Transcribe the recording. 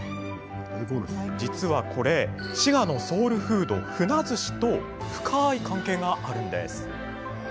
実は、これ滋賀のソウルフード・ふなずしと深い関係があるんです。